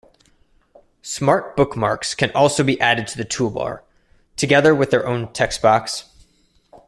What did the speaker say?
Smart Bookmarks can also be added to the toolbar, together with their own textbox.